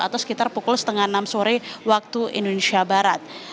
atau sekitar pukul setengah enam sore waktu indonesia barat